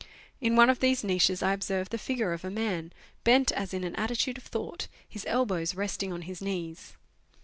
In one of these niches I observed the figure of a man, bent as in an attitude of thought, his elbows resting on his knees.